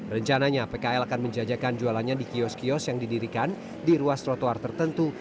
rencananya pkl akan menjajakan jualannya di kios kios yang didirikan di ruas trotoar tertentu